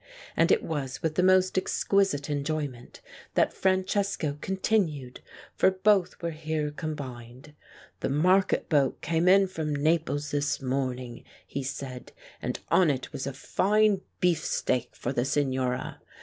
And it was with the most exquisite enjoyment that Francesco continued, for both were here com bined. "The market boat came in from Naples this morn ing," he said, "and on it was a fine beefsteak for the Signora.